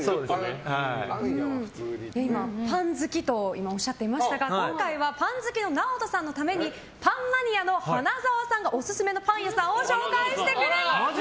今パン好きとおっしゃっていましたが今回は、パン好きのＮＡＯＴＯさんのためにパンマニアの花澤さんがオススメのパン屋さんを紹介してくださいます。